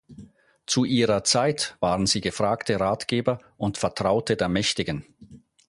Zu ihrer Zeit waren sie gefragte Ratgeber und Vertraute der Mächtigen.